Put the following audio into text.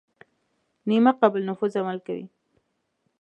نیمه قابل نفوذ عمل کوي.